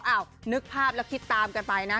นึกภาพแล้วคิดตามกันไปนะ